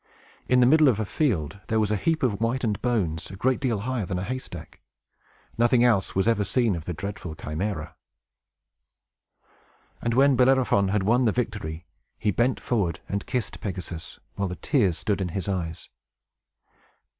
In the middle of a field, there was a heap of whitened bones, a great deal higher than a haystack. Nothing else was ever seen of the dreadful Chimæra! And when Bellerophon had won the victory, he bent forward and kissed Pegasus, while the tears stood in his eyes.